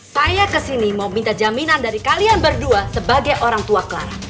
saya kesini mau minta jaminan dari kalian berdua sebagai orang tua clara